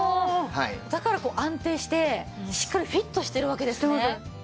だから安定してしっかりフィットしてるわけですね。